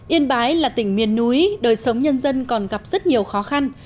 yên bái là tỉnh miền núi đời sống nhân dân còn gặp rất nhiều khó khăn